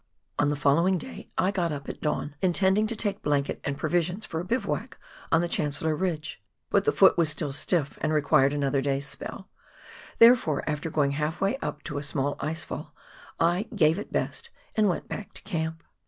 On the following day I got up at 106 PIONEER WORK IN THE ALPS OF NEW ZEALAND. dawn, intending to take blanket and provisions for a bivouac on the Chancellor Ridge, but the foot was still stiff, and required another day's spell ; therefore, after going half way up to the small ice fall, I " gave it best " and went back to camp.